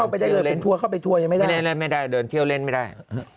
ไม่ใช่จะเข้าไปเที่ยวเล่นเที่ยวเล่นไม่ได้ไม่ได้เดินเที่ยวเล่นไม่ได้